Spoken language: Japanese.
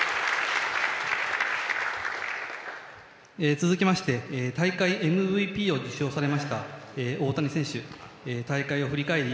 続きまして大会ＭＶＰを受賞されました大谷選手、大会を振り返り